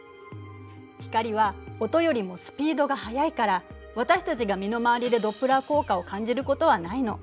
光は音よりもスピードが速いから私たちが身の回りでドップラー効果を感じることはないの。